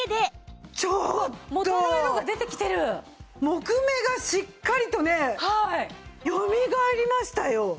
木目がしっかりとねよみがえりましたよ。